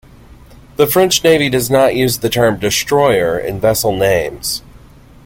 The French Navy does not use the term "destroyer" in vessel names.